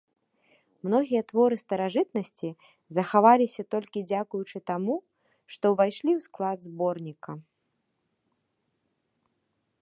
Многія творы старажытнасці захаваліся толькі дзякуючы таму, што ўвайшлі ў склад зборніка.